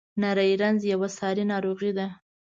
نری رنځ یوه ساري ناروغي ده.